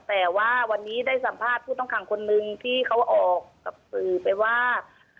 แต่ว่าวันนี้ได้สัมภาษณ์ผู้ต้องขังคนนึงที่เขาออกกับสื่อไปว่า